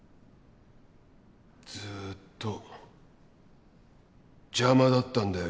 ずっと邪魔だったんだよ